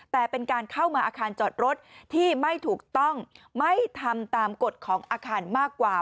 แต่เป็นการเข้ามาอาคารจอดรถที่ไม่ถูกต้องไม่ทำตามกฎของอาคารมากกว่า